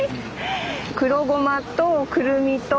黒ごまとくるみと？